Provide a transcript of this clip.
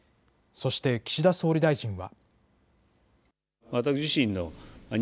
そして岸田総理大臣は。